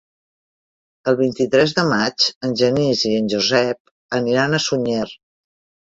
El vint-i-tres de maig en Genís i en Josep aniran a Sunyer.